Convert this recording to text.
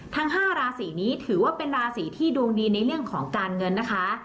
ทั้ง๕ราศีนี้ถือว่าเป็นราศีที่ดวงดีในเรื่องของการเงินนะคะ